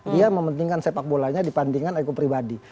dia mementingkan sepak bolanya dipandingkan ego pribadi